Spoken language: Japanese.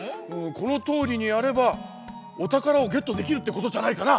このとおりにやればおたからをゲットできるってことじゃないかな！